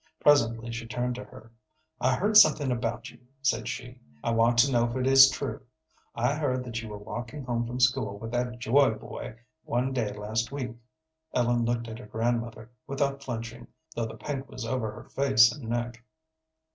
Presently she turned to her. "I heard something about you," said she. "I want to know if it is true. I heard that you were walking home from school with that Joy boy one day last week." Ellen looked at her grandmother without flinching, though the pink was over her face and neck.